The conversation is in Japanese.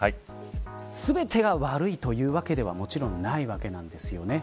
全てが悪いというわけではもちろんないわけなんですよね。